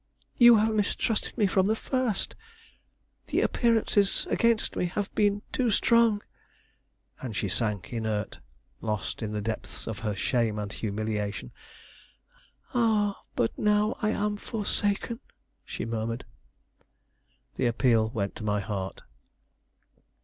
You have mistrusted me from the first; the appearances against me have been too strong"; and she sank inert, lost in the depths of her shame and humiliation. "Ah, but now I am forsaken!" she murmured. The appeal went to my heart.